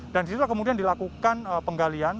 dan disitu kemudian dilakukan penggalian